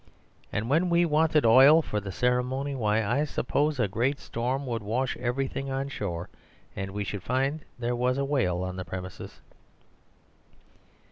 And when we wanted oil for the ceremony, why I suppose a great storm would wash everything on shore, and we should find there was a Whale on the premises."